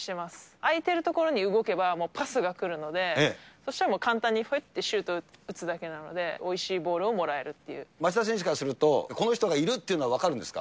空いてる所に動けば、パスが来るので、そうしたらもう、簡単にシュート打つだけなので、おいしいボールをもらえるってい町田選手からすると、この人がいるっていうのは分かるんですか？